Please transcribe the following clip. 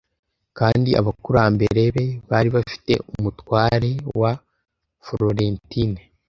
kandi abakurambere be bari bafite umutware wa florentine